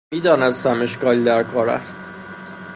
میدانستم اشکالی در کار است.